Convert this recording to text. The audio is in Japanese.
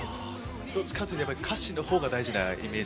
どっちかっていうと歌詞のほうが大事なイメージ。